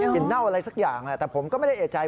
กลิ่นเน่าอะไรสักอย่างแต่ผมก็ไม่ได้เอ่ยใจ